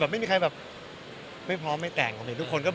ไม่มีคนพร้อมที่จะไม่แตกครับ